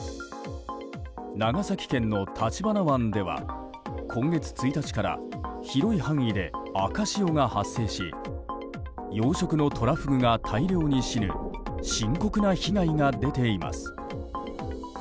長崎県の橘湾では今月１日から広い範囲で赤潮が発生し養殖のトラフグが大量に死ぬ深刻な被害が出ています。